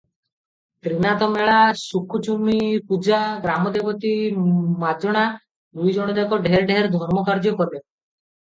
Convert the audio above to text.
ତ୍ରିନାଥମେଳା, ସୁକୁଚୂନିପୂଜା, ଗ୍ରାମଦେବତୀ ମାଜଣା, ଦୁଇଜଣଯାକ ଢେର ଢେର ଧର୍ମ କାର୍ଯ୍ୟ କଲେ ।